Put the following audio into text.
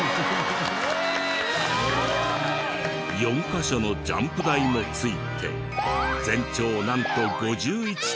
４カ所のジャンプ台もついて全長なんと５１．５メートル。